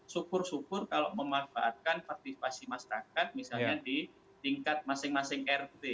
syukur syukur kalau memanfaatkan partisipasi masyarakat misalnya di tingkat masing masing rt